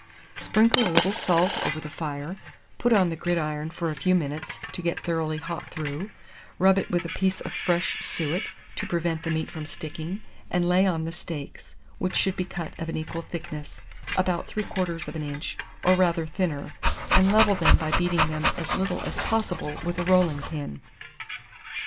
Sprinkle a little salt over the fire, put on the gridiron for a few minutes, to get thoroughly hot through; rub it with a piece of fresh, suet, to prevent the meat from sticking, and lay on the steaks, which should be cut of an equal thickness, about 3/4 of an inch, or rather thinner, and level them by beating them as little as possible with a rolling pin.